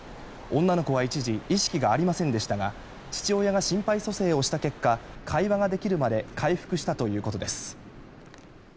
女の子は一時意識がありませんでしたが父親が心肺蘇生をした結果会話ができるまで回復したということです。